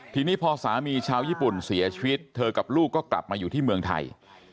ทีนี้พอสามีชาวญี่ปุ่นเสียชีวิตเธอกับลูกก็กลับมาอยู่ที่เมืองไทย